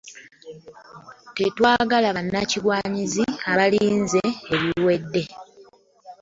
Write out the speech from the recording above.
Tetwagala bannakigwanyizi abalinze ebiwedde.